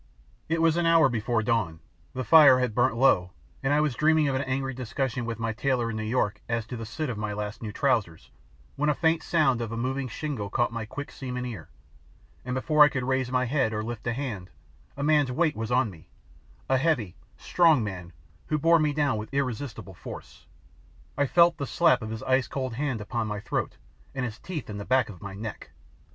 It was an hour before dawn, the fire had burnt low and I was dreaming of an angry discussion with my tailor in New York as to the sit of my last new trousers when a faint sound of moving shingle caught my quick seaman ear, and before I could raise my head or lift a hand, a man's weight was on me a heavy, strong man who bore me down with irresistible force. I felt the slap of his ice cold hand upon my throat and his teeth in the back of my neck!